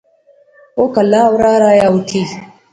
او کہلاہ اورار آیا اٹھی